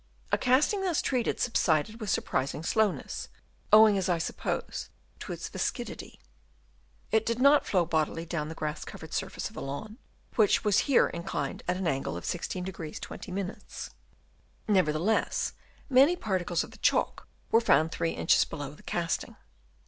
A casting thus treated subsided with surprising slowness, owing as I suppose to its viscidity. It did not flow bodily down the grass covered sur face of the lawn, which was here inclined at an angle of 16° 20'; nevertheless many par u 276 DENUDATION OF THE LAND Chap. YL tides of the chalk were found three inches below the casting.